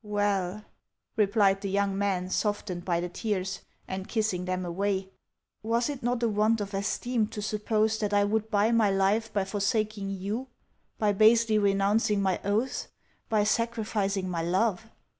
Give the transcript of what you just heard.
" Well," replied the young man, softened by her tears, and kissing them away, " was it not a want of esteem to suppose that I would buy my life by forsaking you, by basely renouncing my oaths, by sacrificing my love?"